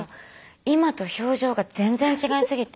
今と表情が全然違いすぎて。